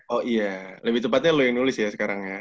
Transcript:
oh iya lebih tepatnya lo yang nulis ya sekarang ya